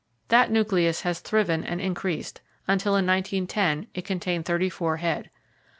That nucleus has thriven and increased, until in 1910 it contained thirty four head.